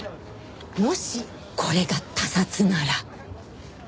もしこれが他殺なら。